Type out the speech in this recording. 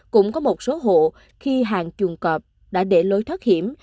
cũng có một số hộ khi hàng chuồng cọp đã để lối thoát hiểm